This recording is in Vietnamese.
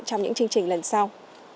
trong những chương trình lần sau